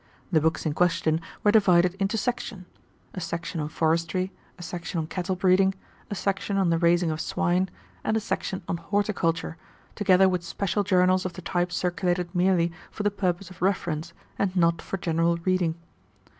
The books in question were divided into sections a section on forestry, a section on cattle breeding, a section on the raising of swine, and a section on horticulture, together with special journals of the type circulated merely for the purposes of reference, and not for general reading.